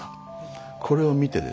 これを見てですね